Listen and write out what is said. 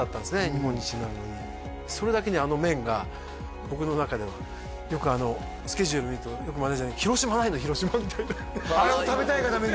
日本一になるのにそれだけにあの麺が僕の中ではよくスケジュール見るとよくマネージャーにあれを食べたいがために？